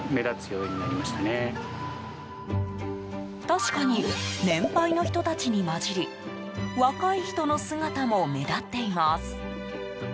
確かに年配の人たちに交じり若い人の姿も目立っています。